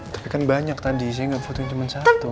tapi kan banyak tadi saya gak fotonya cuman satu